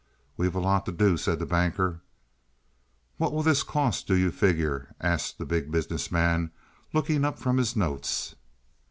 "We've a lot to do," said the Banker. "What will this cost, do you figure?" asked the Big Business Man, looking up from his notes.